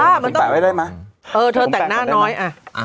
ดี้ยเปื่อยไหมเออเธอแต่งหน้าน้อยอะ